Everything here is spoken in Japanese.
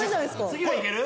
次はいける？